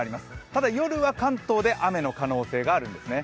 ただ夜は関東で雨の可能性があるんですね。